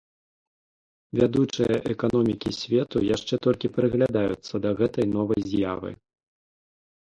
Вядучыя эканомікі свету яшчэ толькі прыглядаюцца да гэтай новай з'явы.